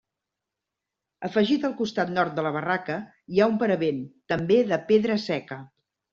Afegit al costat nord de la barraca hi ha un paravent, també de pedra seca.